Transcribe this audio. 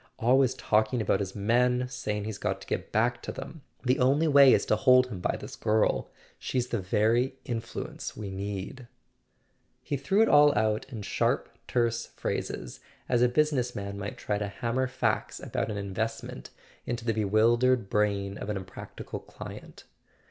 Always talking about his men, saying he's got to get back to them. The only way is to hold him by this girl. She's the very influ¬ ence we need! " He threw it all out in sharp terse phrases, as a busi¬ ness man might try to hammer facts about an invest¬ ment into the bewildered brain of an unpractical client.